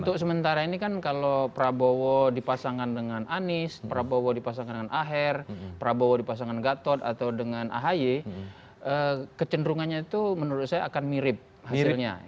untuk sementara ini kan kalau prabowo dipasangkan dengan anies prabowo dipasangkan dengan aher prabowo dipasangkan gatot atau dengan ahy kecenderungannya itu menurut saya akan mirip hasilnya